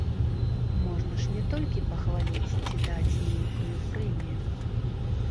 Можна ж не толькі пахваліць ці даць нейкую прэмію.